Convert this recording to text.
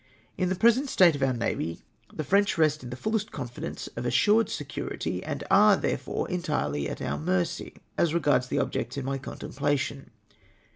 " In the present state of our Navy, the French rest in the fullest confidence of assured security, and are, therefore, entirely at our mercy, as regards the objects in my contem plation.